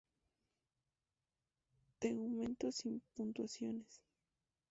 Tegumento sin puntuaciones.